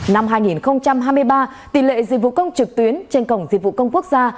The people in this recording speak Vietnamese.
năm hai nghìn hai mươi ba tỷ lệ dịch vụ công trực tuyến trên cổng dịch vụ công quốc gia